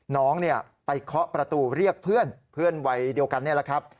น้องไปเคาะประตูเรียกเพื่อนเพื่อนวัยเดียวกันนี่แหละครับ